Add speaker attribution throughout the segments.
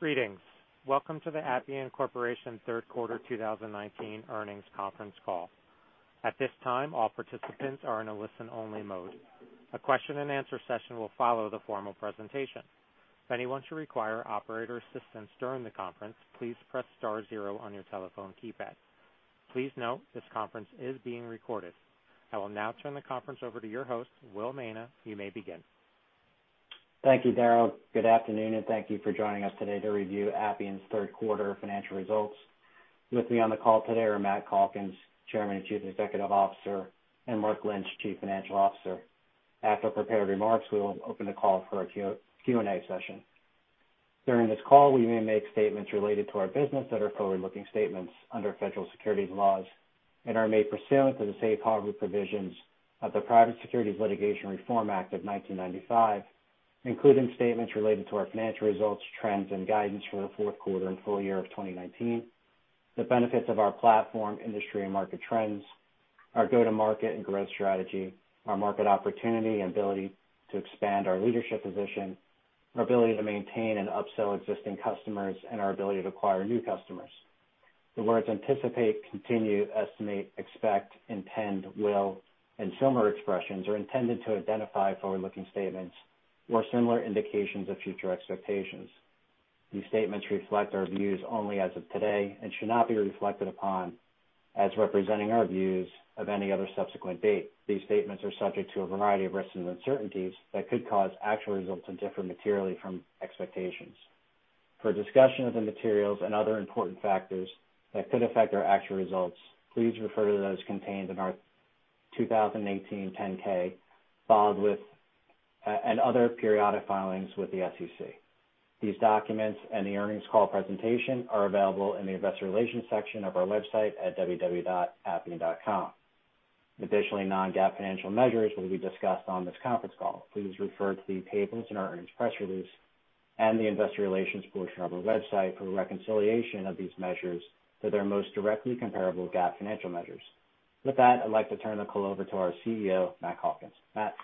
Speaker 1: Greetings. Welcome to the Appian Corporation third quarter 2019 earnings conference call. At this time, all participants are in a listen-only mode. A question and answer session will follow the formal presentation. If anyone should require operator assistance during the conference, please press star zero on your telephone keypad. Please note this conference is being recorded. I will now turn the conference over to your host, Srinivas Anantha. You may begin.
Speaker 2: Thank you, Daryl. Good afternoon, and thank you for joining us today to review Appian's third quarter financial results. With me on the call today are Matt Calkins, Chairman and Chief Executive Officer, and Mark Lynch, Chief Financial Officer. After prepared remarks, we will open the call for a Q&A session. During this call, we may make statements related to our business that are forward-looking statements under federal securities laws and are made pursuant to the safe harbor provisions of the Private Securities Litigation Reform Act of 1995, including statements related to our financial results, trends, and guidance for the fourth quarter and full year of 2019, the benefits of our platform, industry, and market trends, our go-to-market and growth strategy, our market opportunity and ability to expand our leadership position, our ability to maintain and upsell existing customers, and our ability to acquire new customers. The words anticipate, continue, estimate, expect, intend, will, and similar expressions are intended to identify forward-looking statements or similar indications of future expectations. These statements reflect our views only as of today and should not be reflected upon as representing our views of any other subsequent date. These statements are subject to a variety of risks and uncertainties that could cause actual results to differ materially from expectations. For a discussion of the materials and other important factors that could affect our actual results, please refer to those contained in our 2018 10-K and other periodic filings with the SEC. These documents and the earnings call presentation are available in the investor relations section of our website at www.appian.com. Additionally, non-GAAP financial measures will be discussed on this conference call. Please refer to the tables in our earnings press release and the investor relations portion of our website for a reconciliation of these measures to their most directly comparable GAAP financial measures. With that, I'd like to turn the call over to our CEO, Matt Calkins. Matt?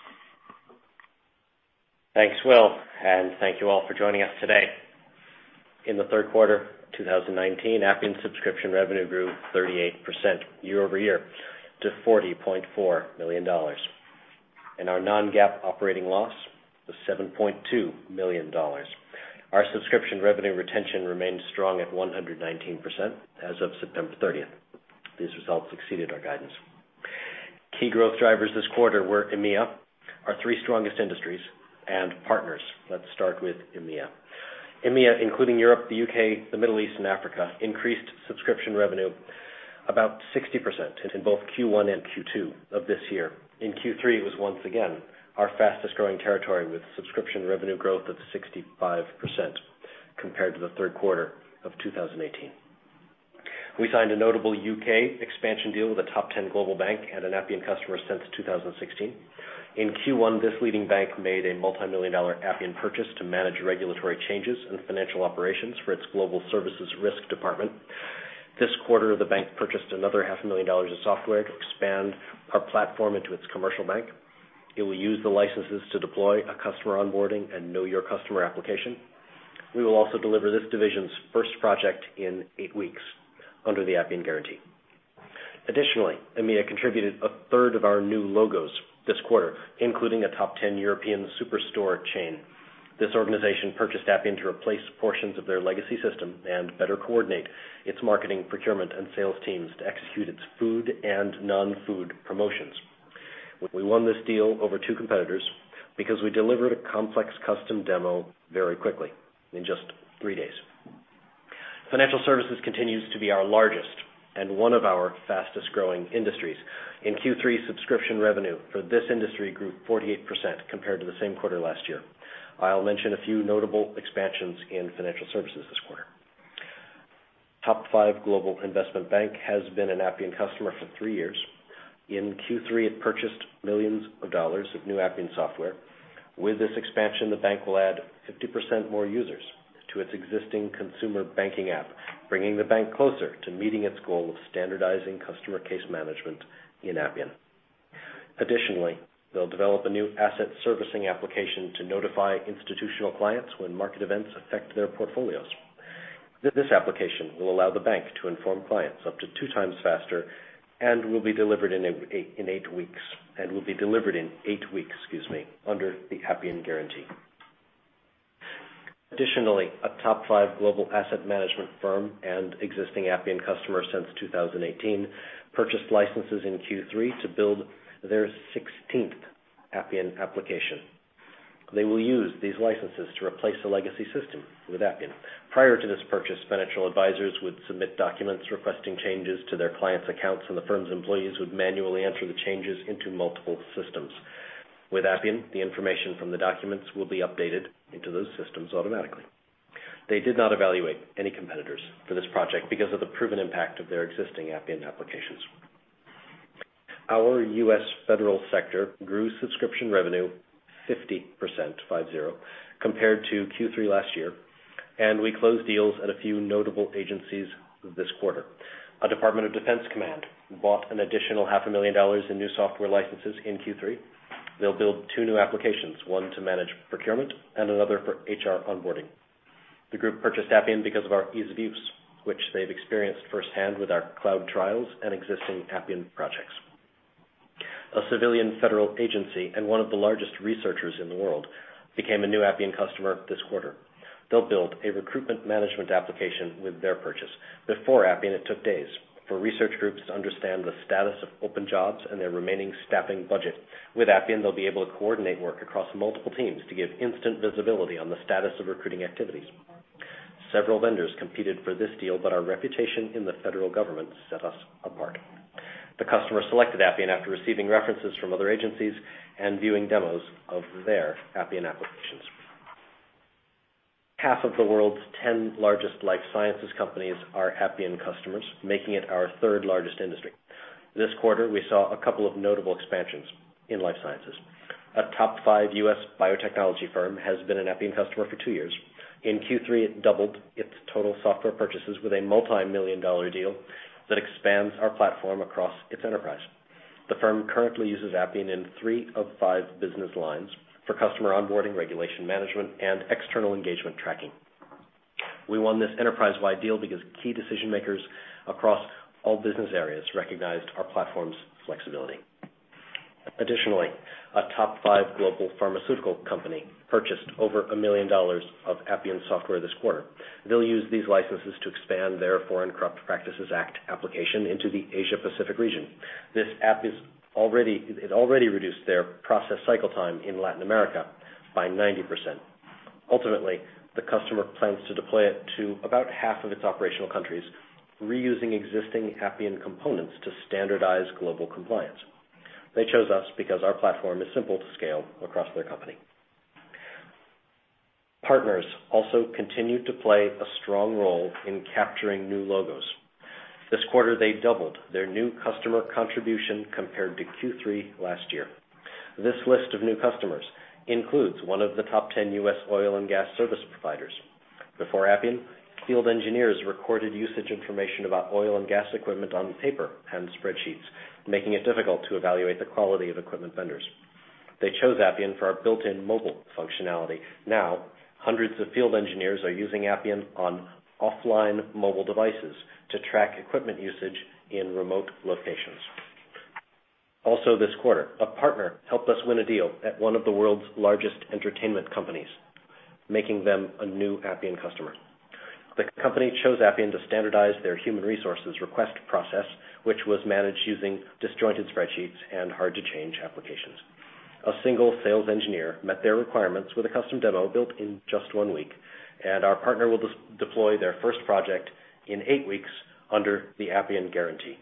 Speaker 3: Thanks, Srinivas, and thank you all for joining us today. In the third quarter 2019, Appian subscription revenue grew 38% year-over-year to $40.4 million, and our non-GAAP operating loss was $7.2 million. Our subscription revenue retention remained strong at 119% as of September 30th. These results exceeded our guidance. Key growth drivers this quarter were EMEA, our three strongest industries, and partners. Let's start with EMEA. EMEA, including Europe, the U.K., the Middle East, and Africa, increased subscription revenue about 60% in both Q1 and Q2 of this year. In Q3, it was once again our fastest-growing territory, with subscription revenue growth of 65% compared to the third quarter of 2018. We signed a notable U.K. expansion deal with a top 10 global bank and an Appian customer since 2016. In Q1, this leading bank made a multimillion-dollar Appian purchase to manage regulatory changes and financial operations for its global services risk department. This quarter, the bank purchased another half a million dollars of software to expand our platform into its commercial bank. It will use the licenses to deploy a customer onboarding and know your customer application. We will also deliver this division's first project in eight weeks under The Appian Guarantee. Additionally, EMEA contributed a third of our new logos this quarter, including a top 10 European superstore chain. This organization purchased Appian to replace portions of their legacy system and better coordinate its marketing, procurement, and sales teams to execute its food and non-food promotions. We won this deal over two competitors because we delivered a complex custom demo very quickly, in just three days. Financial services continues to be our largest and one of our fastest-growing industries. In Q3, subscription revenue for this industry grew 48% compared to the same quarter last year. I'll mention a few notable expansions in financial services this quarter. Top five global investment bank has been an Appian customer for three years. In Q3, it purchased millions of dollars of new Appian software. With this expansion, the bank will add 50% more users to its existing consumer banking app, bringing the bank closer to meeting its goal of standardizing customer case management in Appian. Additionally, they'll develop a new asset servicing application to notify institutional clients when market events affect their portfolios. This application will allow the bank to inform clients up to two times faster and will be delivered in eight weeks under the Appian Guarantee. Additionally, a top five global asset management firm and existing Appian customer since 2018, purchased licenses in Q3 to build their 16th Appian application. They will use these licenses to replace a legacy system with Appian. Prior to this purchase, financial advisors would submit documents requesting changes to their clients' accounts, and the firm's employees would manually enter the changes into multiple systems. With Appian, the information from the documents will be updated into those systems automatically. They did not evaluate any competitors for this project because of the proven impact of their existing Appian applications. Our U.S. federal sector grew subscription revenue 50% compared to Q3 last year. We closed deals at a few notable agencies this quarter. A Department of Defense command bought an additional half a million dollars in new software licenses in Q3. They'll build two new applications, one to manage procurement and another for HR onboarding. The group purchased Appian because of our ease of use, which they've experienced firsthand with our cloud trials and existing Appian projects. A civilian federal agency and one of the largest researchers in the world became a new Appian customer this quarter. They'll build a recruitment management application with their purchase. Before Appian, it took days for research groups to understand the status of open jobs and their remaining staffing budget. With Appian, they'll be able to coordinate work across multiple teams to give instant visibility on the status of recruiting activities. Several vendors competed for this deal, but our reputation in the federal government set us apart. The customer selected Appian after receiving references from other agencies and viewing demos of their Appian applications. Half of the world's 10 largest life sciences companies are Appian customers, making it our third-largest industry. This quarter, we saw a couple of notable expansions in life sciences. A top 5 U.S. biotechnology firm has been an Appian customer for two years. In Q3, it doubled its total software purchases with a multimillion-dollar deal that expands our platform across its enterprise. The firm currently uses Appian in 3 of 5 business lines for customer onboarding, regulation management, and external engagement tracking. We won this enterprise-wide deal because key decision-makers across all business areas recognized our platform's flexibility. Additionally, a top 5 global pharmaceutical company purchased over $1 million of Appian software this quarter. They'll use these licenses to expand their Foreign Corrupt Practices Act application into the Asia-Pacific region. This app, it already reduced their process cycle time in Latin America by 90%. Ultimately, the customer plans to deploy it to about half of its operational countries, reusing existing Appian components to standardize global compliance. They chose us because our platform is simple to scale across their company. Partners also continued to play a strong role in capturing new logos. This quarter, they doubled their new customer contribution compared to Q3 last year. This list of new customers includes one of the top 10 U.S. oil and gas service providers. Before Appian, field engineers recorded usage information about oil and gas equipment on paper and spreadsheets, making it difficult to evaluate the quality of equipment vendors. They chose Appian for our built-in mobile functionality. Now, hundreds of field engineers are using Appian on offline mobile devices to track equipment usage in remote locations. This quarter, a partner helped us win a deal at one of the world's largest entertainment companies, making them a new Appian customer. The company chose Appian to standardize their human resources request process, which was managed using disjointed spreadsheets and hard-to-change applications. A single sales engineer met their requirements with a custom demo built in just one week, and our partner will deploy their first project in eight weeks under The Appian Guarantee.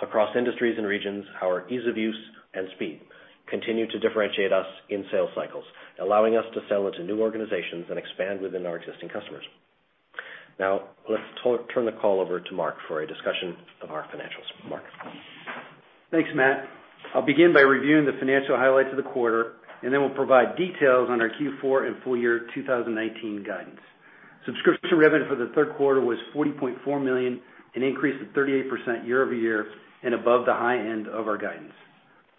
Speaker 3: Across industries and regions, our ease of use and speed continue to differentiate us in sales cycles, allowing us to sell into new organizations and expand within our existing customers. Let's turn the call over to Mark for a discussion of our financials. Mark?
Speaker 4: Thanks, Matt. I'll begin by reviewing the financial highlights of the quarter. Then we'll provide details on our Q4 and full year 2019 guidance. Subscription revenue for the third quarter was $40.4 million, an increase of 38% year-over-year, and above the high end of our guidance.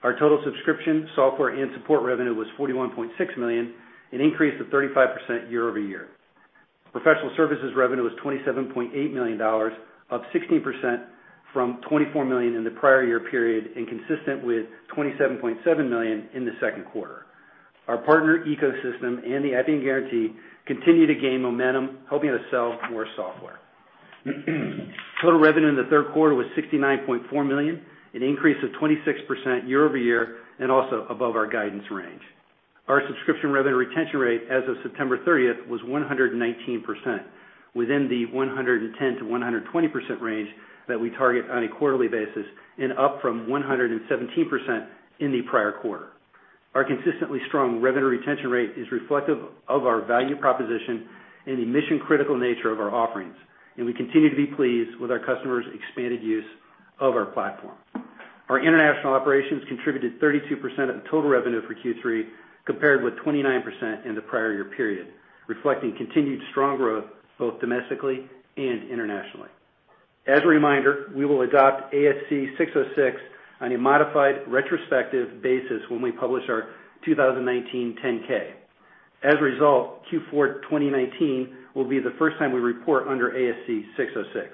Speaker 4: Our total subscription, software, and support revenue was $41.6 million, an increase of 35% year-over-year. Professional services revenue was $27.8 million, up 16% from $24 million in the prior year period, and consistent with $27.7 million in the second quarter. Our partner ecosystem and The Appian Guarantee continue to gain momentum, helping to sell more software. Total revenue in the third quarter was $69.4 million, an increase of 26% year-over-year, and also above our guidance range. Our subscription revenue retention rate as of September 30th was 119%, within the 110%-120% range that we target on a quarterly basis, and up from 117% in the prior quarter. Our consistently strong revenue retention rate is reflective of our value proposition and the mission-critical nature of our offerings, and we continue to be pleased with our customers' expanded use of our platform. Our international operations contributed 32% of the total revenue for Q3, compared with 29% in the prior year period, reflecting continued strong growth both domestically and internationally. As a reminder, we will adopt ASC 606 on a modified retrospective basis when we publish our 2019 10-K. As a result, Q4 2019 will be the first time we report under ASC 606.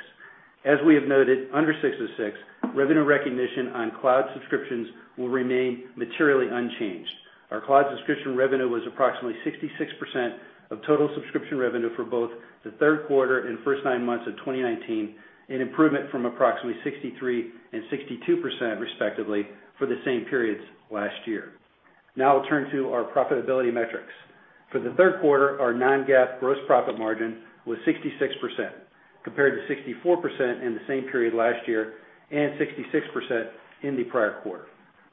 Speaker 4: As we have noted, under 606, revenue recognition on cloud subscriptions will remain materially unchanged. Our cloud subscription revenue was approximately 66% of total subscription revenue for both the third quarter and first nine months of 2019, an improvement from approximately 63% and 62%, respectively, for the same periods last year. Now we'll turn to our profitability metrics. For the third quarter, our non-GAAP gross profit margin was 66%, compared to 64% in the same period last year and 66% in the prior quarter.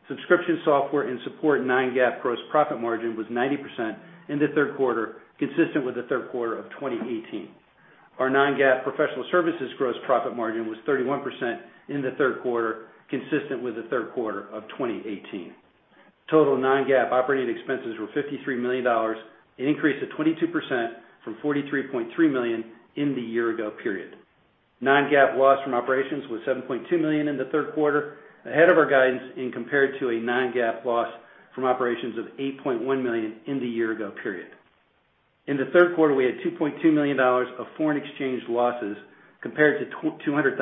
Speaker 4: Subscription, software, and support non-GAAP gross profit margin was 90% in the third quarter, consistent with the third quarter of 2018. Our non-GAAP professional services gross profit margin was 31% in the third quarter, consistent with the third quarter of 2018. Total non-GAAP operating expenses were $53 million, an increase of 22% from $43.3 million in the year ago period. Non-GAAP loss from operations was $7.2 million in the third quarter, ahead of our guidance and compared to a non-GAAP loss from operations of $8.1 million in the year ago period. In the third quarter, we had $2.2 million of foreign exchange losses compared to $200,000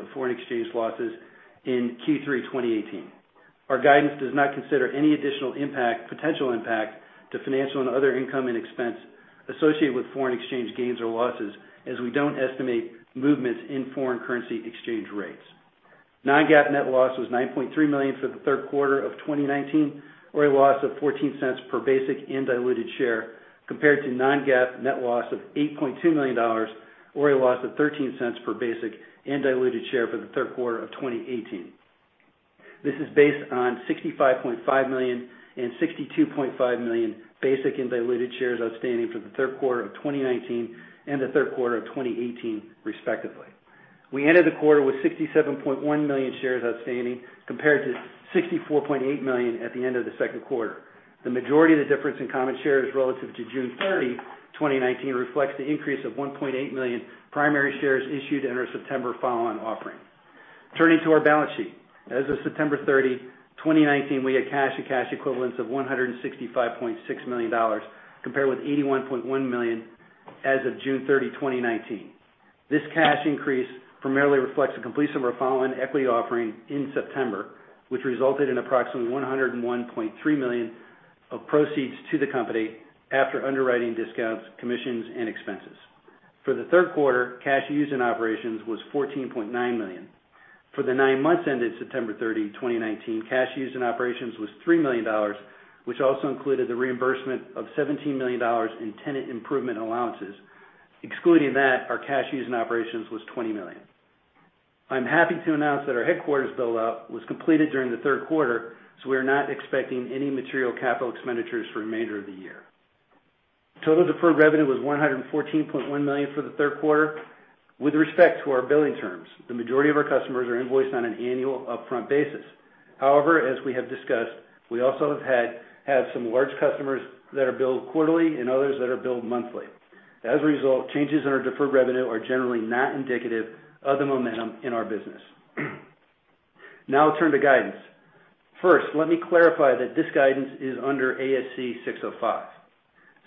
Speaker 4: of foreign exchange losses in Q3 2018. Our guidance does not consider any additional potential impact to financial and other income and expense associated with foreign exchange gains or losses, as we don't estimate movements in foreign currency exchange rates. Non-GAAP net loss was $9.3 million for the third quarter of 2019, or a loss of $0.14 per basic and diluted share, compared to non-GAAP net loss of $8.2 million, or a loss of $0.13 per basic and diluted share for the third quarter of 2018. This is based on 65.5 million and 62.5 million basic and diluted shares outstanding for the third quarter of 2019 and the third quarter of 2018, respectively. We ended the quarter with 67.1 million shares outstanding, compared to 64.8 million at the end of the second quarter. The majority of the difference in common shares relative to June 30, 2019, reflects the increase of 1.8 million primary shares issued under a September follow-on offering. Turning to our balance sheet. As of September 30, 2019, we had cash and cash equivalents of $165.6 million, compared with $81.1 million as of June 30, 2019. This cash increase primarily reflects the completion of our follow-on equity offering in September, which resulted in approximately $101.3 million of proceeds to the company after underwriting discounts, commissions, and expenses. For the third quarter, cash used in operations was $14.9 million. For the nine months ended September 30, 2019, cash used in operations was $3 million, which also included the reimbursement of $17 million in tenant improvement allowances. Excluding that, our cash used in operations was $20 million. I'm happy to announce that our headquarters build-out was completed during the third quarter, so we are not expecting any material capital expenditures for the remainder of the year. Total deferred revenue was $114.1 million for the third quarter. With respect to our billing terms, the majority of our customers are invoiced on an annual upfront basis. However, as we have discussed, we also have had some large customers that are billed quarterly and others that are billed monthly. As a result, changes in our deferred revenue are generally not indicative of the momentum in our business. Now I'll turn to guidance. First, let me clarify that this guidance is under ASC 605.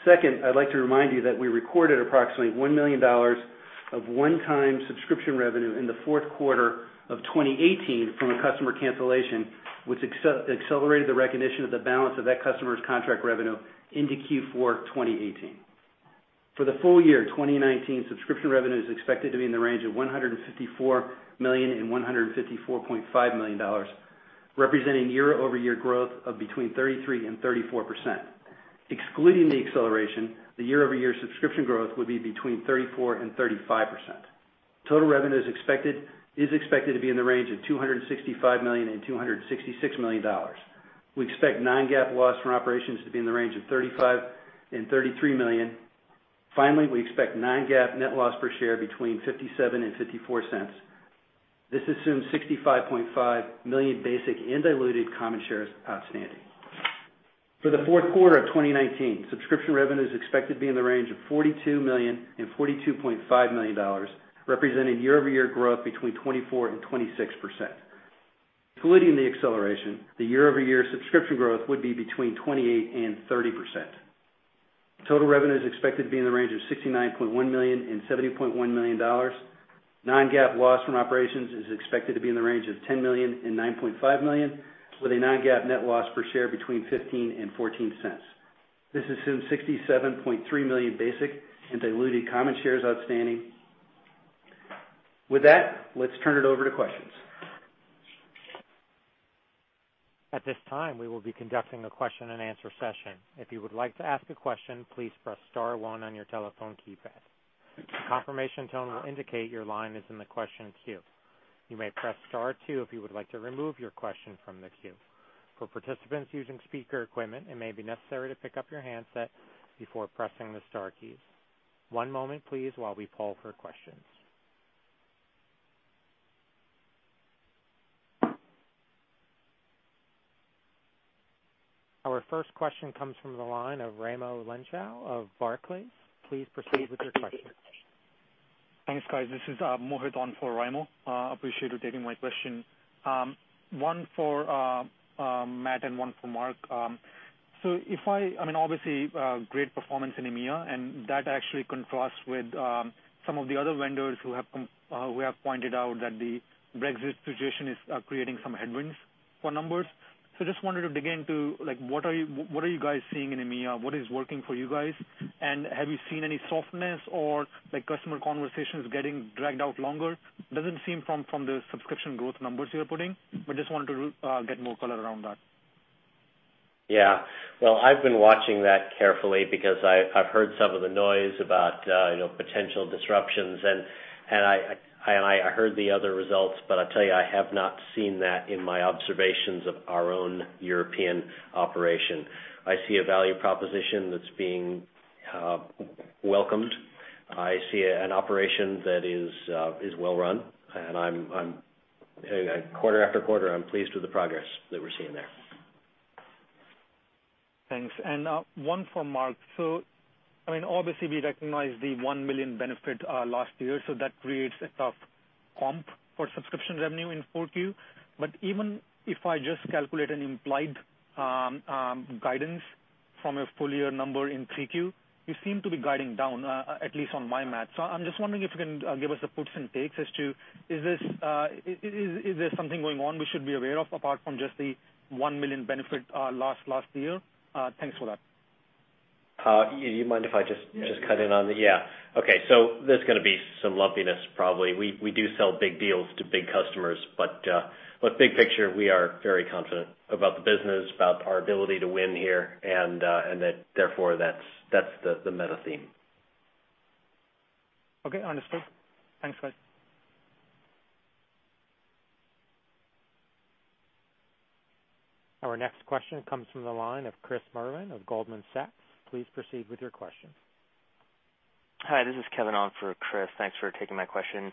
Speaker 4: Second, I'd like to remind you that we recorded approximately $1 million of one-time subscription revenue in the fourth quarter of 2018 from a customer cancellation, which accelerated the recognition of the balance of that customer's contract revenue into Q4 2018. For the full year 2019, subscription revenue is expected to be in the range of $154 million and $154.5 million, representing year-over-year growth of between 33% and 34%. Excluding the acceleration, the year-over-year subscription growth would be between 34% and 35%. Total revenue is expected to be in the range of $265 million and $266 million. We expect non-GAAP loss from operations to be in the range of $35 million and $33 million. Finally, we expect non-GAAP net loss per share between $0.57 and $0.54. This assumes 65.5 million basic and diluted common shares outstanding. For the fourth quarter of 2019, subscription revenue is expected to be in the range of $42 million and $42.5 million, representing year-over-year growth between 24% and 26%. Excluding the acceleration, the year-over-year subscription growth would be between 28% and 30%. Total revenue is expected to be in the range of $69.1 million and $70.1 million. Non-GAAP loss from operations is expected to be in the range of $10 million and $9.5 million, with a non-GAAP net loss per share between $0.15 and $0.14. This assumes 67.3 million basic and diluted common shares outstanding. With that, let's turn it over to questions.
Speaker 1: At this time, we will be conducting a question and answer session. If you would like to ask a question, please press star 1 on your telephone keypad. A confirmation tone will indicate your line is in the question queue. You may press star 2 if you would like to remove your question from the queue. For participants using speaker equipment, it may be necessary to pick up your handset before pressing the star keys. One moment, please, while we poll for questions. Our first question comes from the line of Raimo Lenschow of Barclays. Please proceed with your question.
Speaker 5: Thanks, guys. This is Mohit on for Raimo. Appreciate you taking my question. One for Matt and one for Mark. Obviously, great performance in EMEA, and that actually contrasts with some of the other vendors who have pointed out that the Brexit situation is creating some headwinds for numbers. Just wanted to dig into what are you guys seeing in EMEA? What is working for you guys? Have you seen any softness or customer conversations getting dragged out longer? Doesn't seem from the subscription growth numbers you're putting, just wanted to get more color around that.
Speaker 3: Yeah. Well, I've been watching that carefully because I've heard some of the noise about potential disruptions, and I heard the other results, but I tell you, I have not seen that in my observations of our own European operation. I see a value proposition that's being welcomed. I see an operation that is well-run, and quarter after quarter, I'm pleased with the progress that we're seeing there.
Speaker 5: Thanks. One for Mark. Obviously, we recognize the $1 million benefit last year, so that creates a tough comp for subscription revenue in Q4. Even if I just calculate an implied guidance from a full-year number in Q3, you seem to be guiding down, at least on my math. I'm just wondering if you can give us the puts and takes as to, is there something going on we should be aware of, apart from just the $1 million benefit last year? Thanks for that.
Speaker 3: You mind if I just cut in on the Yeah? Okay. There's going to be some lumpiness, probably. We do sell big deals to big customers, but big picture, we are very confident about the business, about our ability to win here, and that therefore that's the meta theme.
Speaker 5: Okay. Understood. Thanks, guys.
Speaker 1: Our next question comes from the line of Chris Merwin of Goldman Sachs. Please proceed with your question.
Speaker 6: Hi, this is Kevin on for Chris. Thanks for taking my question.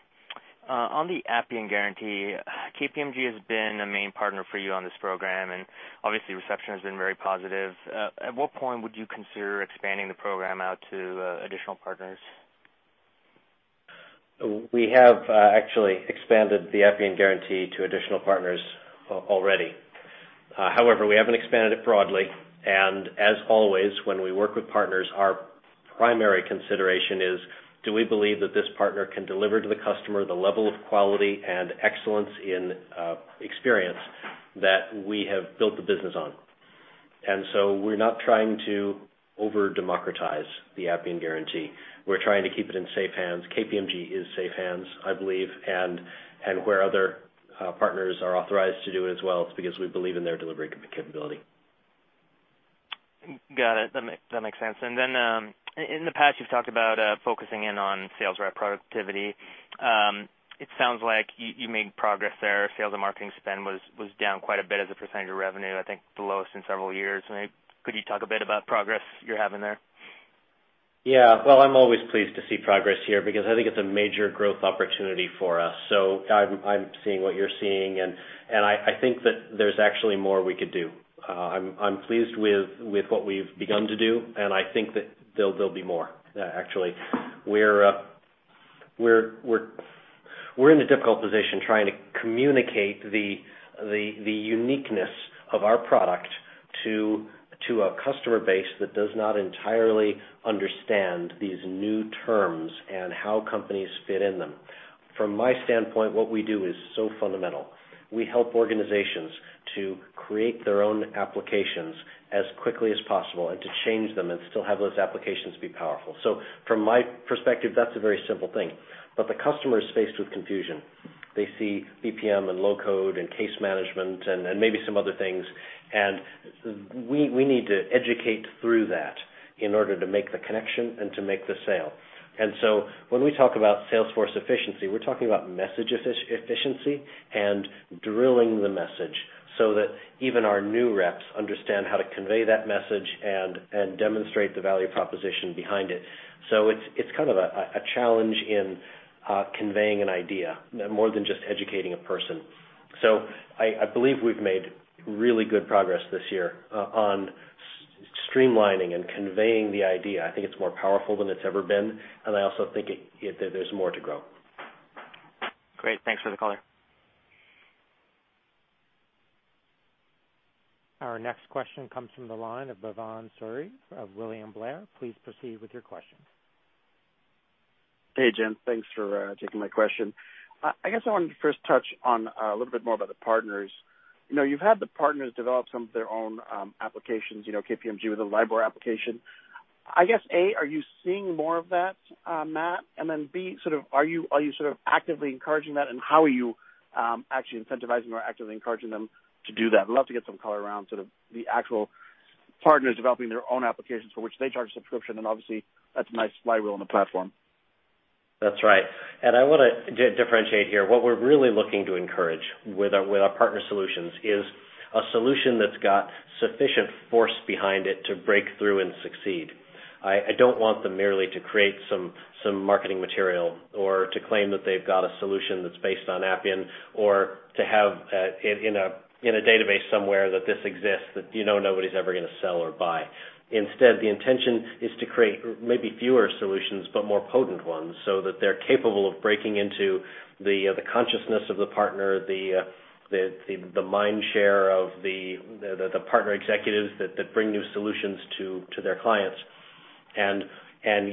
Speaker 6: On the Appian Guarantee, KPMG has been a main partner for you on this program, and obviously reception has been very positive. At what point would you consider expanding the program out to additional partners?
Speaker 3: We have actually expanded the Appian Guarantee to additional partners already. However, we haven't expanded it broadly, and as always, when we work with partners, our primary consideration is, do we believe that this partner can deliver to the customer the level of quality and excellence in experience that we have built the business on. We're not trying to over-democratize the Appian Guarantee. We're trying to keep it in safe hands. KPMG is safe hands, I believe. Where other partners are authorized to do it as well, it's because we believe in their delivery capability.
Speaker 6: Got it. That makes sense. In the past, you've talked about focusing in on sales rep productivity. It sounds like you made progress there. Sales and marketing spend was down quite a bit as a % of revenue, I think the lowest in several years. Could you talk a bit about progress you're having there?
Speaker 3: Yeah. Well, I'm always pleased to see progress here because I think it's a major growth opportunity for us. I'm seeing what you're seeing, and I think that there's actually more we could do. I'm pleased with what we've begun to do, and I think that there'll be more, actually. We're in a difficult position trying to communicate the uniqueness of our product to a customer base that does not entirely understand these new terms and how companies fit in them. From my standpoint, what we do is so fundamental. We help organizations to create their own applications as quickly as possible and to change them and still have those applications be powerful. From my perspective, that's a very simple thing. The customer is faced with confusion. They see BPM and low-code and case management and maybe some other things, and we need to educate through that in order to make the connection and to make the sale. When we talk about sales force efficiency, we're talking about message efficiency and drilling the message so that even our new reps understand how to convey that message and demonstrate the value proposition behind it. It's kind of a challenge in conveying an idea more than just educating a person. I believe we've made really good progress this year on streamlining and conveying the idea. I think it's more powerful than it's ever been, and I also think that there's more to grow.
Speaker 6: Great. Thanks for the color.
Speaker 1: Our next question comes from the line of Bhavan Suri of William Blair. Please proceed with your question.
Speaker 7: Hey, Jen. Thanks for taking my question. I guess I wanted to first touch on a little bit more about the partners. You've had the partners develop some of their own applications, KPMG with a LIBOR application. I guess, A, are you seeing more of that, Matt? Then B, are you sort of actively encouraging that, and how are you actually incentivizing or actively encouraging them to do that? I'd love to get some color around sort of the actual partners developing their own applications for which they charge a subscription, and obviously, that's a nice flywheel on the platform.
Speaker 3: That's right. I want to differentiate here. What we're really looking to encourage with our partner solutions is a solution that's got sufficient force behind it to break through and succeed. I don't want them merely to create some marketing material or to claim that they've got a solution that's based on Appian or to have in a database somewhere that this exists, that you know nobody's ever going to sell or buy. Instead, the intention is to create maybe fewer solutions, but more potent ones so that they're capable of breaking into the consciousness of the partner, the mind share of the partner executives that bring new solutions to their clients and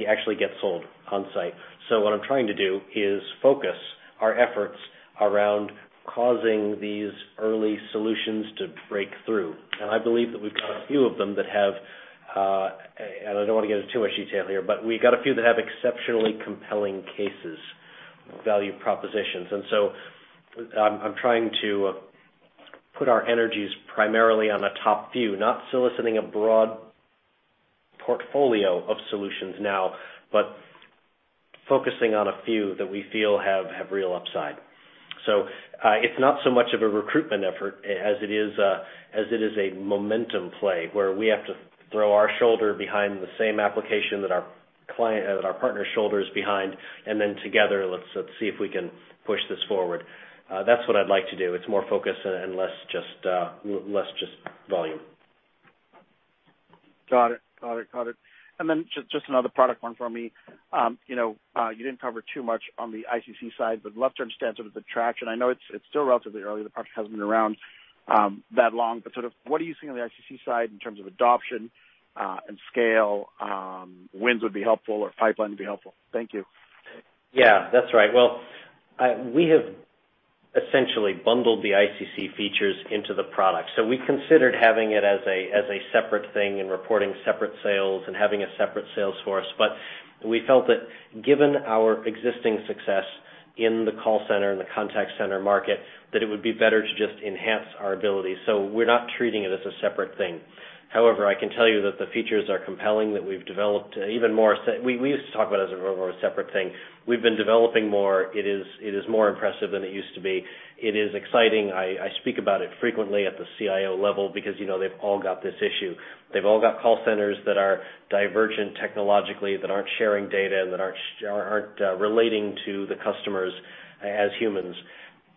Speaker 3: actually get sold on-site. What I'm trying to do is focus our efforts around causing these early solutions to break through. I believe that we've got a few of them that have, and I don't want to get into too much detail here, but we got a few that have exceptionally compelling cases, value propositions. I'm trying to put our energies primarily on a top few, not soliciting a broad portfolio of solutions now, but focusing on a few that we feel have real upside. It's not so much of a recruitment effort as it is a momentum play, where we have to throw our shoulder behind the same application that our partner shoulders behind, and then together, let's see if we can push this forward. That's what I'd like to do. It's more focus and less just volume.
Speaker 7: Got it. Just another product one for me. You didn't cover too much on the ICC side, but I'd love to understand sort of the traction. I know it's still relatively early. The product hasn't been around that long, but sort of what are you seeing on the ICC side in terms of adoption and scale? Wins would be helpful, or pipeline would be helpful. Thank you.
Speaker 3: Yeah. That's right. Well, we have essentially bundled the ICC features into the product. We considered having it as a separate thing and reporting separate sales and having a separate sales force. We felt that given our existing success in the call center and the contact center market, that it would be better to just enhance our ability. We're not treating it as a separate thing. However, I can tell you that the features are compelling, that we've developed even more. We used to talk about it as more of a separate thing. We've been developing more. It is more impressive than it used to be. It is exciting. I speak about it frequently at the CIO level because they've all got this issue. They've all got call centers that are divergent technologically, that aren't sharing data and that aren't relating to the customers as humans.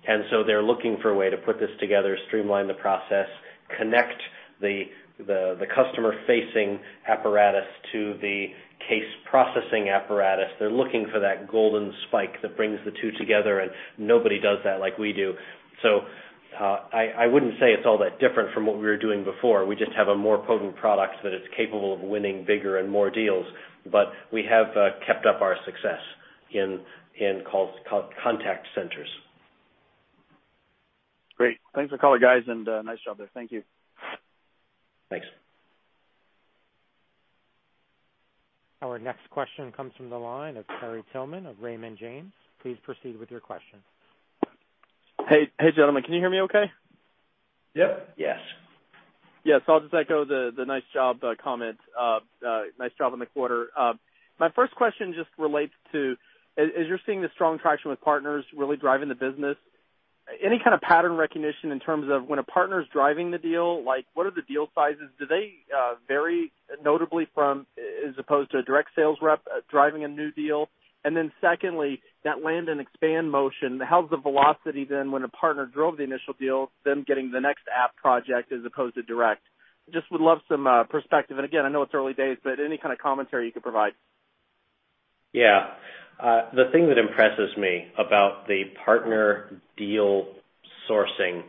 Speaker 3: They're looking for a way to put this together, streamline the process, connect the customer-facing apparatus to the case-processing apparatus. They're looking for that golden spike that brings the two together, and nobody does that like we do. I wouldn't say it's all that different from what we were doing before. We just have a more potent product that is capable of winning bigger and more deals. We have kept up our success in contact centers.
Speaker 7: Great. Thanks for the call, guys, and nice job there. Thank you.
Speaker 3: Thanks.
Speaker 1: Our next question comes from the line of Terry Tillman of Raymond James. Please proceed with your question.
Speaker 8: Hey, gentlemen, can you hear me okay?
Speaker 3: Yep.
Speaker 4: Yes.
Speaker 8: I'll just echo the nice job comments. Nice job on the quarter. My first question just relates to, as you're seeing the strong traction with partners really driving the business, any kind of pattern recognition in terms of when a partner's driving the deal, like what are the deal sizes? Do they vary notably from, as opposed to a direct sales rep driving a new deal? Secondly, that land and expand motion, how's the velocity then when a partner drove the initial deal, them getting the next app project as opposed to direct? Just would love some perspective. Again, I know it's early days, but any kind of commentary you could provide.
Speaker 3: Yeah. The thing that impresses me about the partner deal sourcing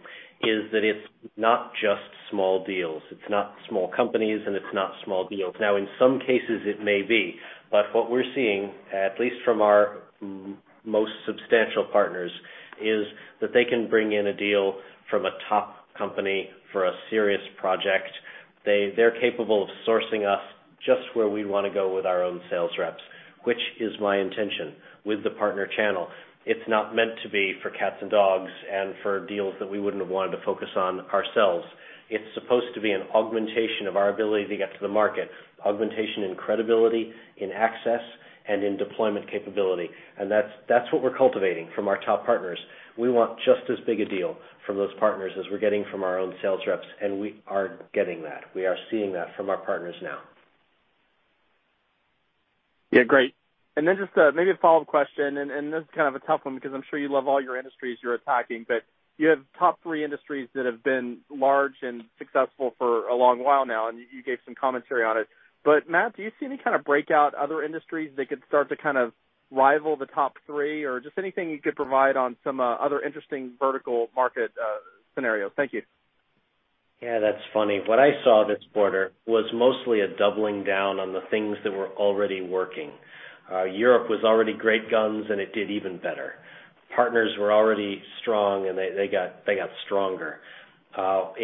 Speaker 3: is that it's not just small deals. It's not small companies, and it's not small deals. Now, in some cases it may be, but what we're seeing, at least from our most substantial partners, is that they can bring in a deal from a top company for a serious project. They're capable of sourcing us just where we want to go with our own sales reps, which is my intention with the partner channel. It's not meant to be for cats and dogs and for deals that we wouldn't have wanted to focus on ourselves. It's supposed to be an augmentation of our ability to get to the market, augmentation in credibility, in access, and in deployment capability. That's what we're cultivating from our top partners. We want just as big a deal from those partners as we're getting from our own sales reps, and we are getting that. We are seeing that from our partners now.
Speaker 8: Yeah, great. Then just maybe a follow-up question, and this is kind of a tough one because I'm sure you love all your industries you're attacking, but you have top three industries that have been large and successful for a long while now, and you gave some commentary on it. Matt, do you see any kind of breakout other industries that could start to kind of rival the top three? Just anything you could provide on some other interesting vertical market scenarios. Thank you.
Speaker 3: Yeah, that's funny. What I saw this quarter was mostly a doubling down on the things that were already working. Europe was already great guns, and it did even better. Partners were already strong, and they got stronger. At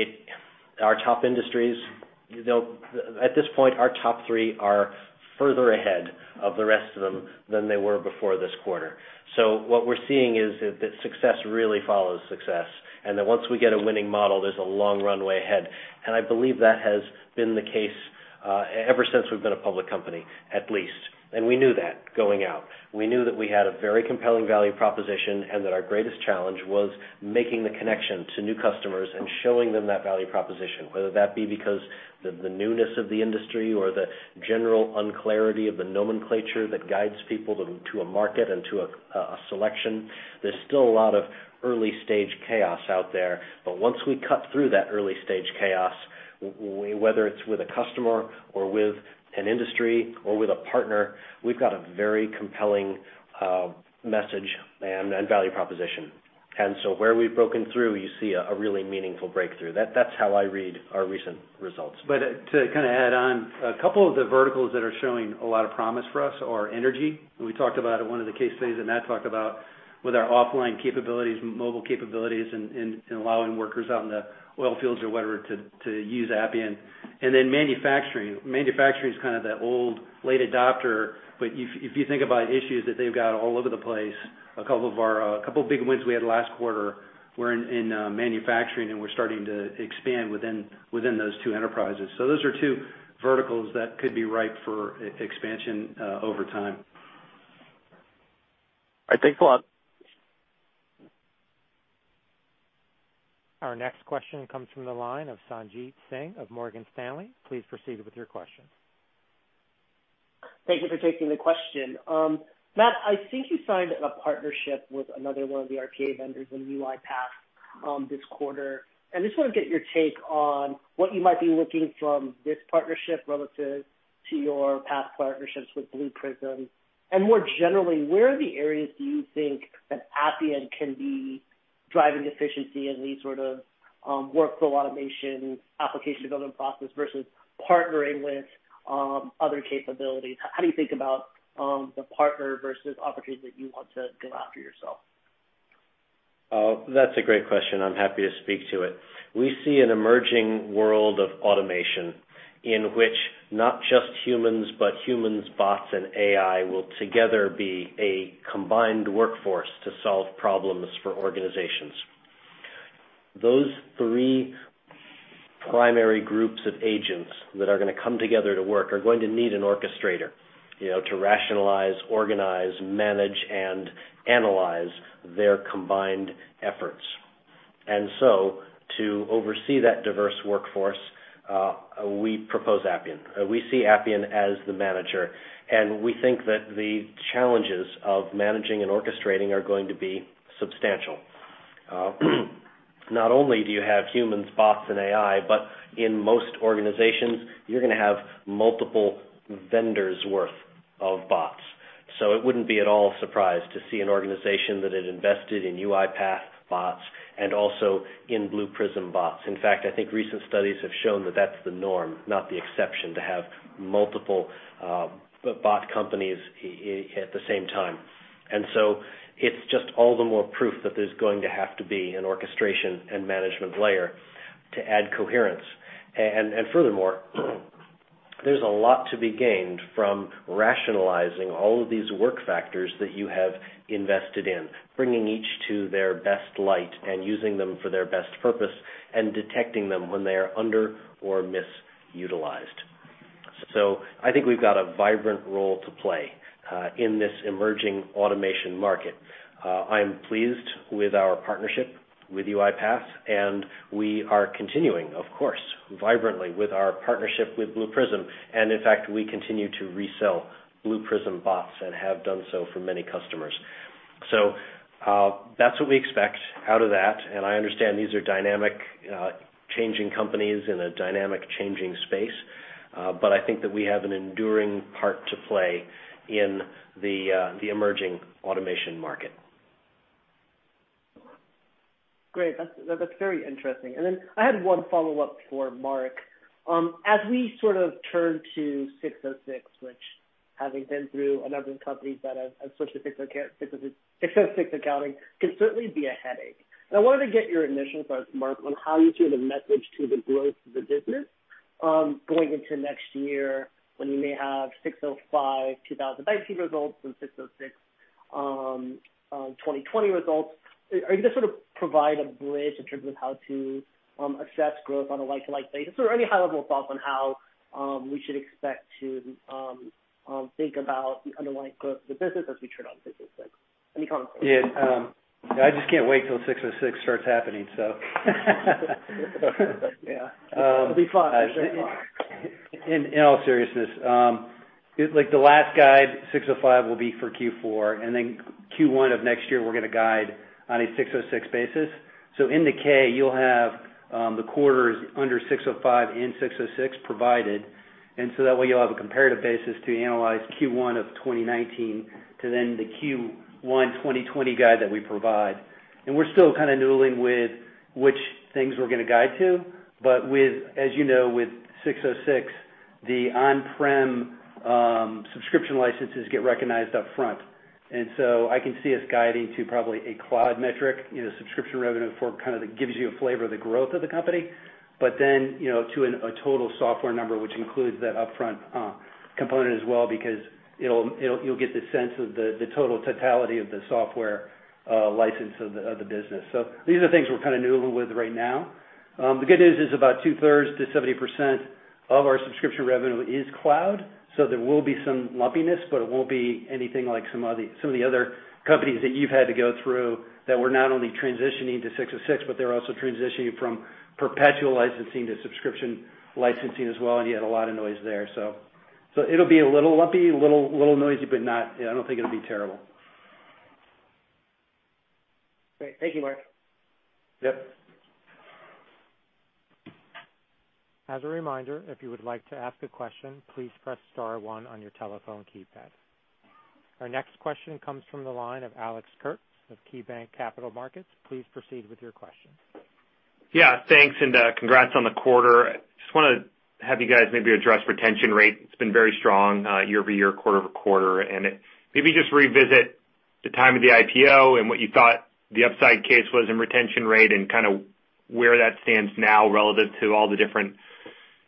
Speaker 3: this point, our top three are further ahead of the rest of them than they were before this quarter. What we're seeing is that success really follows success, and that once we get a winning model, there's a long runway ahead. I believe that has been the case ever since we've been a public company, at least. We knew that going out. We knew that we had a very compelling value proposition. Our greatest challenge was making the connection to new customers and showing them that value proposition, whether that be because the newness of the industry or the general unclarity of the nomenclature that guides people to a market and to a selection. There's still a lot of early-stage chaos out there. Once we cut through that early-stage chaos, whether it's with a customer or with an industry or with a partner, we've got a very compelling message and value proposition. Where we've broken through, you see a really meaningful breakthrough. That's how I read our recent results.
Speaker 4: To kind of add on, a couple of the verticals that are showing a lot of promise for us are energy, and we talked about in one of the case studies, and Matt talked about with our offline capabilities, mobile capabilities, and allowing workers out in the oil fields or whatever to use Appian. Then manufacturing. Manufacturing is kind of that old late adopter, but if you think about issues that they've got all over the place, a couple of big wins we had last quarter were in manufacturing, and we're starting to expand within those two enterprises. Those are two verticals that could be ripe for expansion over time.
Speaker 8: All right. Thanks a lot.
Speaker 1: Our next question comes from the line of Sanjit Singh of Morgan Stanley. Please proceed with your question.
Speaker 9: Thank you for taking the question. Matt, I think you signed a partnership with another one of the RPA vendors in UiPath this quarter. I just want to get your take on what you might be looking from this partnership relative to your past partnerships with Blue Prism. And more generally, where are the areas do you think that Appian can be driving efficiency in these sort of workflow automation, application development process versus partnering with other capabilities? How do you think about the partner versus opportunities that you want to go after yourself?
Speaker 3: That's a great question. I'm happy to speak to it. We see an emerging world of automation in which not just humans, but humans, bots, and AI will together be a combined workforce to solve problems for organizations. Those three primary groups of agents that are going to come together to work are going to need an orchestrator, to rationalize, organize, manage, and analyze their combined efforts. To oversee that diverse workforce, we propose Appian. We see Appian as the manager, and we think that the challenges of managing and orchestrating are going to be substantial. Not only do you have humans, bots, and AI, but in most organizations you're going to have multiple vendors worth of bots. It wouldn't be at all a surprise to see an organization that had invested in UiPath bots and also in Blue Prism bots. In fact, I think recent studies have shown that that's the norm, not the exception, to have multiple bot companies at the same time. It's just all the more proof that there's going to have to be an orchestration and management layer to add coherence. Furthermore, there's a lot to be gained from rationalizing all of these work factors that you have invested in, bringing each to their best light and using them for their best purpose, and detecting them when they are under or misutilized. I think we've got a vibrant role to play in this emerging automation market. I am pleased with our partnership with UiPath, and we are continuing, of course, vibrantly with our partnership with Blue Prism. In fact, we continue to resell Blue Prism bots and have done so for many customers. That's what we expect out of that. I understand these are dynamic, changing companies in a dynamic changing space. I think that we have an enduring part to play in the emerging automation market.
Speaker 9: Great. That's very interesting. Then I had one follow-up for Mark. As we sort of turn to 606, which having been through a number of companies that have switched to 606 accounting, can certainly be a headache. I wanted to get your initial thoughts, Mark, on how you hear the message to the growth of the business, going into next year when you may have 605 2019 results and 606 2020 results. Are you going to sort of provide a bridge in terms of how to assess growth on a like-to-like basis? Any high-level thoughts on how we should expect to think about the underlying growth of the business as we turn on 606? Any comments?
Speaker 4: Yeah. I just can't wait till 606 starts happening, so.
Speaker 9: Yeah. It'll be fun.
Speaker 4: In all seriousness, like the last guide, 605, will be for Q4, and then Q1 of next year, we're going to guide on a 606 basis. In the K, you'll have the quarters under 605 and 606 provided. That way you'll have a comparative basis to analyze Q1 of 2019 to the Q1 2020 guide that we provide. We're still kind of noodling with which things we're going to guide to. As you know, with 606, the on-prem subscription licenses get recognized upfront. I can see us guiding to probably a cloud metric, subscription revenue for kind of that gives you a flavor of the growth of the company. To a total software number, which includes that upfront component as well, because you'll get the sense of the total totality of the software license of the business. These are things we're kind of noodling with right now. The good news is about two-thirds to 70% of our subscription revenue is cloud, there will be some lumpiness, but it won't be anything like some of the other companies that you've had to go through that were not only transitioning to 606, but they were also transitioning from perpetual licensing to subscription licensing as well, you had a lot of noise there. It'll be a little lumpy, a little noisy, but I don't think it'll be terrible.
Speaker 9: Great. Thank you, Mark.
Speaker 4: Yep.
Speaker 1: As a reminder, if you would like to ask a question, please press star one on your telephone keypad. Our next question comes from the line of Alex Kurtz of KeyBanc Capital Markets. Please proceed with your question.
Speaker 10: Thanks, and congrats on the quarter. Just want to have you guys maybe address retention rate. It's been very strong year-over-year, quarter-over-quarter, and maybe just revisit the time of the IPO and what you thought the upside case was in retention rate and kind of where that stands now relative to all the different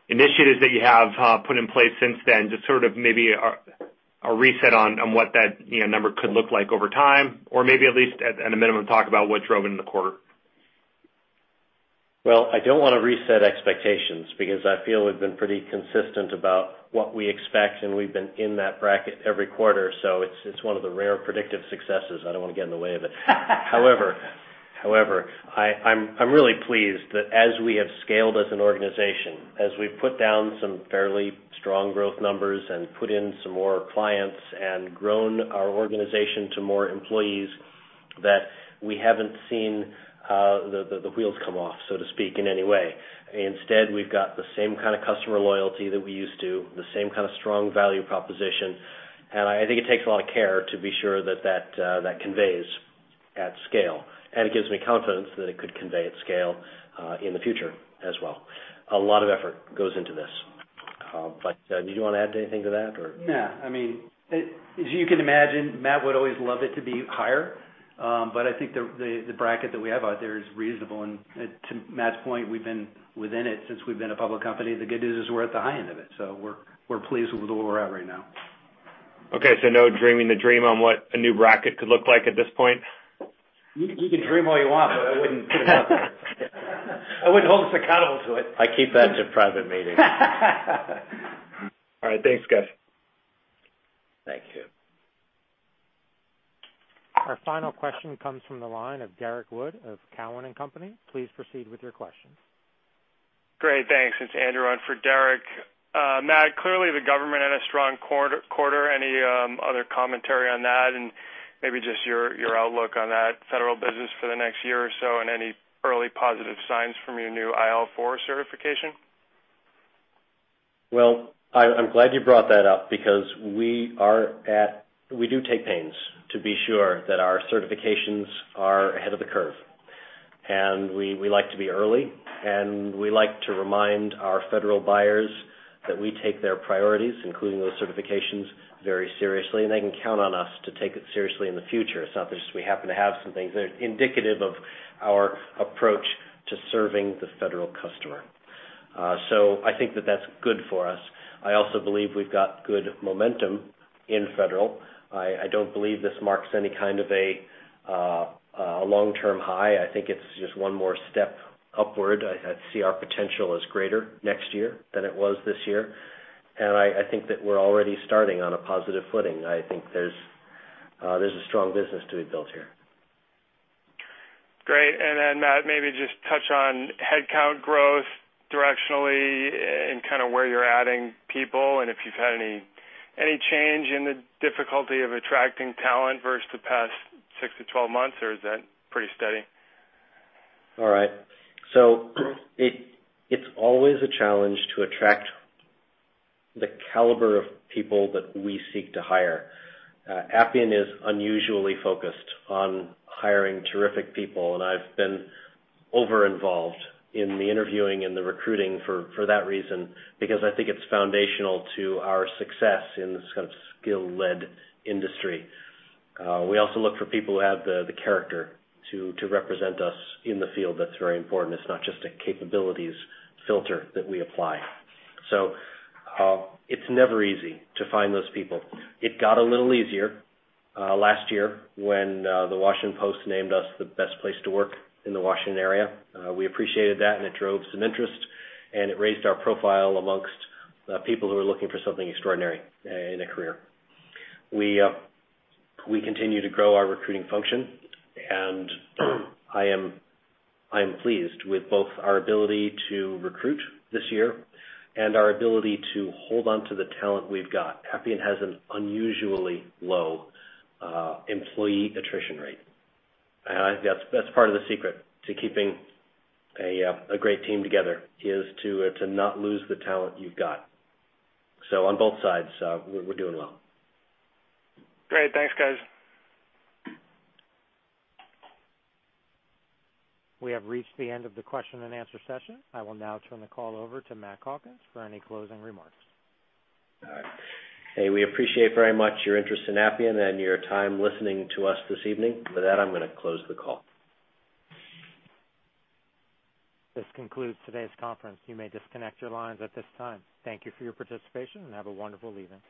Speaker 10: initiatives that you have put in place since then. Just sort of maybe a reset on what that number could look like over time, or maybe at least at a minimum, talk about what drove it in the quarter.
Speaker 3: Well, I don't want to reset expectations because I feel we've been pretty consistent about what we expect, and we've been in that bracket every quarter. It's one of the rare predictive successes. I don't want to get in the way of it. However, I'm really pleased that as we have scaled as an organization, as we've put down some fairly strong growth numbers and put in some more clients and grown our organization to more employees, that we haven't seen the wheels come off, so to speak, in any way. Instead, we've got the same kind of customer loyalty that we used to, the same kind of strong value proposition. I think it takes a lot of care to be sure that conveys at scale, and it gives me confidence that it could convey at scale in the future as well. A lot of effort goes into this. Did you want to add anything to that, or?
Speaker 4: As you can imagine, Matt would always love it to be higher. I think the bracket that we have out there is reasonable, and to Matt's point, we've been within it since we've been a public company. The good news is we're at the high end of it, so we're pleased with where we're at right now.
Speaker 10: Okay, no dreaming the dream on what a new bracket could look like at this point?
Speaker 4: You can dream all you want, but I wouldn't put it out there. I wouldn't hold us accountable to it.
Speaker 3: I keep that to private meetings.
Speaker 10: All right. Thanks, guys.
Speaker 3: Thank you.
Speaker 1: Our final question comes from the line of Derrick Wood of Cowen and Company. Please proceed with your questions.
Speaker 11: Great. Thanks. It's Andrew on for Derrick. Matt, clearly the government had a strong quarter. Any other commentary on that, and maybe just your outlook on that federal business for the next year or so, and any early positive signs from your new IL4 certification?
Speaker 3: Well, I'm glad you brought that up because we do take pains to be sure that our certifications are ahead of the curve. We like to be early, and we like to remind our federal buyers that we take their priorities, including those certifications, very seriously, and they can count on us to take it seriously in the future. It's not just we happen to have some things. They're indicative of our approach to serving the federal customer. I think that that's good for us. I also believe we've got good momentum in federal. I don't believe this marks any kind of a long-term high. I think it's just one more step upward. I see our potential is greater next year than it was this year, and I think that we're already starting on a positive footing. I think there's a strong business to be built here.
Speaker 11: Then Matt, maybe just touch on headcount growth directionally and where you're adding people and if you've had any change in the difficulty of attracting talent versus the past six to 12 months, or is that pretty steady?
Speaker 3: All right. It's always a challenge to attract the caliber of people that we seek to hire. Appian is unusually focused on hiring terrific people, and I've been over-involved in the interviewing and the recruiting for that reason, because I think it's foundational to our success in this kind of skill-led industry. We also look for people who have the character to represent us in the field. That's very important. It's not just a capabilities filter that we apply. It's never easy to find those people. It got a little easier last year when The Washington Post named us the best place to work in the Washington area. We appreciated that, and it drove some interest, and it raised our profile amongst people who are looking for something extraordinary in a career. We continue to grow our recruiting function, and I am pleased with both our ability to recruit this year and our ability to hold onto the talent we've got. Appian has an unusually low employee attrition rate. That's part of the secret to keeping a great team together, is to not lose the talent you've got. On both sides, we're doing well.
Speaker 11: Great. Thanks, guys.
Speaker 1: We have reached the end of the question and answer session. I will now turn the call over to Matt Calkins for any closing remarks.
Speaker 3: All right. Hey, we appreciate very much your interest in Appian and your time listening to us this evening. With that, I'm going to close the call.
Speaker 1: This concludes today's conference. You may disconnect your lines at this time. Thank you for your participation, and have a wonderful evening.